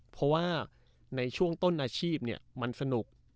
เพราะว่าในช่วงต้นอาชีพมันสนุก